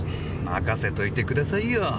任せといてくださいよ！